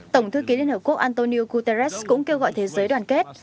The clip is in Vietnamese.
tổng thư ký liên hợp quốc antonio guterres cũng kêu gọi thế giới đoàn kết